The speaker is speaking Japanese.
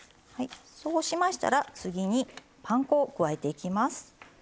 そうしましたら次にパン粉を加えていきます。